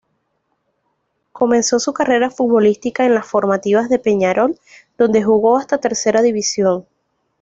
Comenzó su carrera futbolística en las formativas de Peñarol, donde jugó hasta tercera división.